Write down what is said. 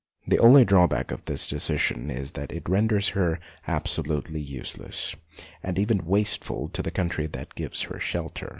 The only drawback of this decision is that it renders her absolutely useless and even wasteful to the country that gives her shelter.